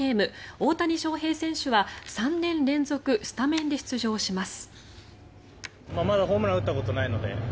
大谷翔平選手は３年連続スタメンで出場します。